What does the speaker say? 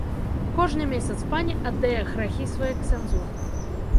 Кожны месяц пані аддае грахі свае ксяндзу.